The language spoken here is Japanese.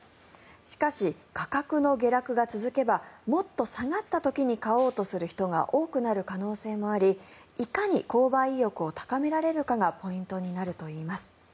しかし、価格の下落が続けばもっと下がった時に買おうとする人が多くなる可能性もありいかに購買意欲を高められるかがポイントになるといいます。